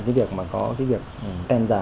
cái việc mà có cái việc tem giả